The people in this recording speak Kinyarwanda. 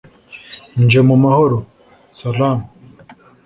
nje mu mahoro (Salam